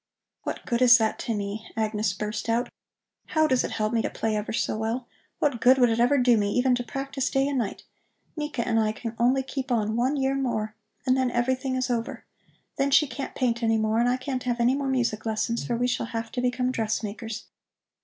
"What good is that to me?" Agnes burst out. "How does it help me to play ever so well? What good would it ever do me even to practice day and night? Nika and I can only keep on one year more, and then everything is over. Then she can't paint any more and I can't have any more music lessons, for we shall have to become dressmakers.